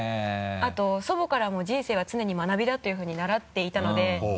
あと祖母からも「人生は常に学びだ」というふうに習っていたので。